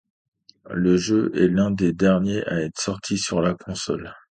Le jeu est l'un des derniers à être sorti sur la console.